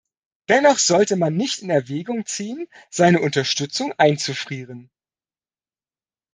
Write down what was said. Dennoch sollte man nicht in Erwägung ziehen, seine Unterstützung einzufrieren.